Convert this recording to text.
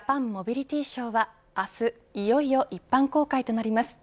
モビリティショーは明日いよいよ一般公開となります。